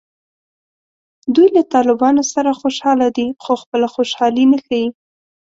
دوی له طالبانو سره خوشحاله دي خو خپله خوشحالي نه ښیي